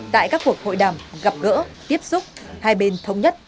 tại các cuộc hội đàm gặp gỡ tiếp xúc hai bên thống nhất